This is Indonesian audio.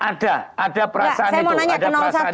ada ada perasaan itu